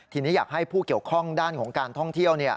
ทีนี้อยากให้ผู้เกี่ยวข้องด้านของการท่องเที่ยว